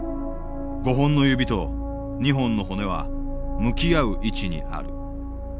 ５本の指と２本の骨は向き合う位置にある。